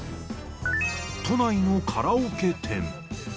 都内のカラオケ店。